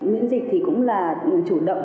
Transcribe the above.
miễn dịch thì cũng là chủ động